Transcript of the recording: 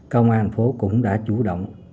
công an thành phố cũng đã chủ động